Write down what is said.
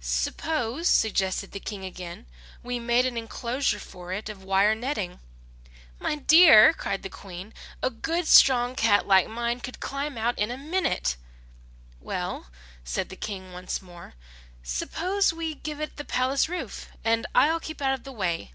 "Suppose," suggested the King again, "we made an enclosure for it of wire netting." "My dear," cried the Queen, "a good strong cat like mine could climb out in a minute." "Well," said the King once more, "suppose we give it the palace roof, and I will keep out of the way."